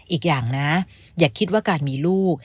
อีกอย่างนะอย่าคิดว่าการมีลูก